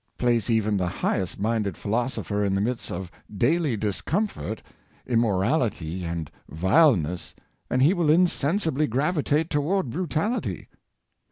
Place even the highest minded philosopher in the midst of daily discomfort, immoral ity and vileness, and he will insensibly gravitate towards brutality.